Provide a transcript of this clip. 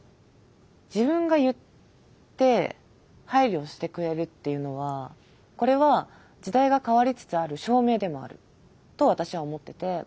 自分が言って配慮してくれるっていうのはこれは時代が変わりつつある証明でもあると私は思ってて。